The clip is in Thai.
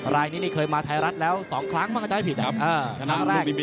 รายนี้เคยมาไทยรัฐแล้ว๒ครั้งมั้งอาจจะไม่ผิดนะครับ